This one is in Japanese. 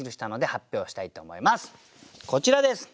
こちらです。